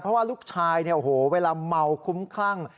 เพราะว่าลูกชายโอ้โฮเวลาเมาคุ้มครั้ง